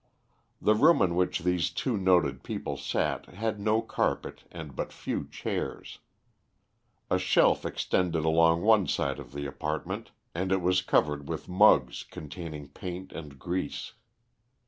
The room in which these two noted people sat had no carpet and but few chairs. A shelf extended along one side of the apartment, and it was covered with mugs containing paint and grease.